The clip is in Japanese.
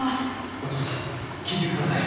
お父さん聞いてください！